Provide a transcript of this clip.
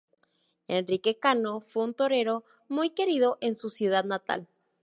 Enrique Cano fue un torero muy querido en su ciudad natal.